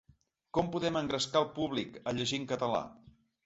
Com podem engrescar el públic a llegir en català?